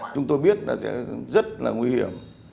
chúng tôi biết là sẽ rất là nguy hiểm